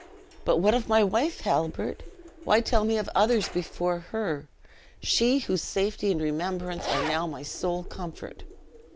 "But what of my wife, Halbert? why tell me of others before of her? She whose safety and remembrance are now my sole comfort!"